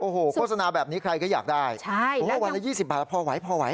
โอ้โหโฆษณาแบบนี้ใครก็อยากได้วันละ๒๐บาทแล้วพอไหวพอไหว